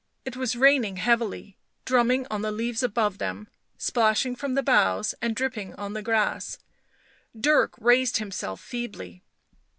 It was raining heavily, drumming on the leaves above them, splashing from the boughs and dripping on the grass; Dirk raised himself feebly.